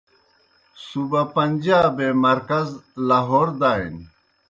صوبہ پنجابے مرکز لاہور دانیْ۔